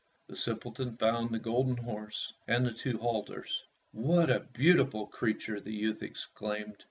The simpleton found the golden horse, and the two halters. "What a beautiful crea ture !" the youth exclaimed.